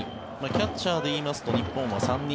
キャッチャーで言いますと日本は３人。